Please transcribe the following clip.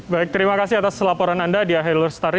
baik terima kasih atas laporan anda di akhir lulus tadi